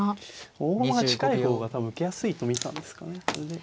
大駒が近い方が多分受けやすいと見たんですかね。